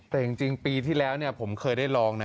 แต่จริงปีที่แล้วผมเคยได้ลองนะ